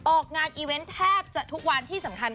ออกงานอีเวนต์แทบจะทุกวันที่สำคัญ